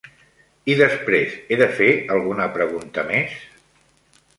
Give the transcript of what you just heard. I després, he de fer alguna pregunta més?